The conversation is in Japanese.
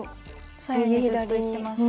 左右にずっといってます。